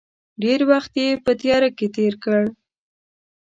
ډېر وخت یې په تیراه کې تېر کړ.